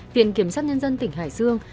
viện kiểm sát nhân dân tỉnh hải dương